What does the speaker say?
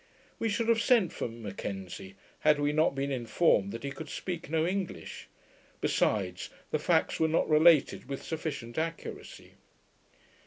We should have sent for M'Kenzie, had we not been informed that he could speak no English. Besides, the facts were not related with sufficient accuracy.